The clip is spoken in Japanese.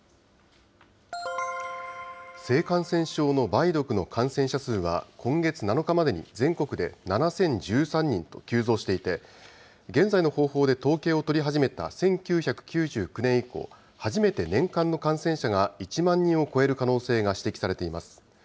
性感染症の梅毒の感染者数は今月７日までに全国で７０１３人と急増していて、現在の方法で統計を取り始めた１９９９年以降、初めて年間の感染者が１万人を超える可能性が指摘されています。